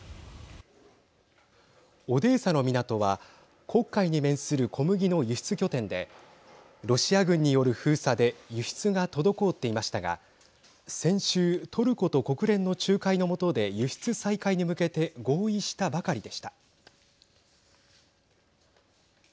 オデーサの港は黒海に面する小麦の輸出拠点でロシア軍による封鎖で輸出が滞っていましたが先週トルコと国連の仲介のもとで輸出再開に向けて合意したばかりでした。